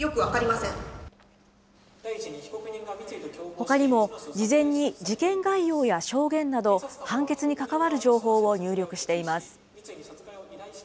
ほかにも事前に事件概要や証言など、判決に関わる情報を入力しています。